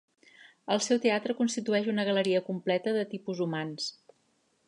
El seu teatre constitueix una galeria completa de tipus humans.